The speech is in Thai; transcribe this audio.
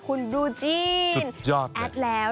คุณดูจีนยอดแอดแล้ว